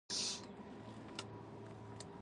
ناڅاپه د قيتول د کلا عمومي دروازه خلاصه شوه.